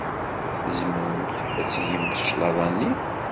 Tzemremt ad d-tgemt cclaḍa-nni?